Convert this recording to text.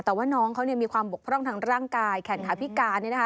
แต่ว่าน้องเขามีความบกพร่องทางร่างกายแขนขาพิการ